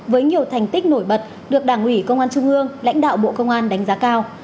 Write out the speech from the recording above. với nhiều thành tích nổi bật được đảng ủy công an trung ương lãnh đạo bộ công an đánh giá cao